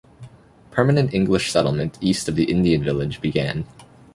Permanent English settlement east of the Indian village began.